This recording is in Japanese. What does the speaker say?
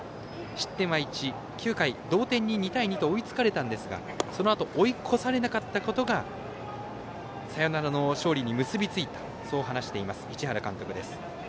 失点は１、９回、同点に２対２と追いつかれたんですがそのあと追い越されなかったことがサヨナラの勝利に結びついたと話しています市原監督です。